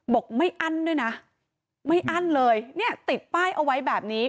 บอกไม่อั้นด้วยนะไม่อั้นเลยเนี่ยติดป้ายเอาไว้แบบนี้